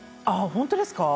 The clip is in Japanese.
本当ですか？